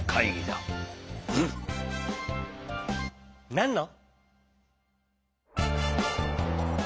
なんの？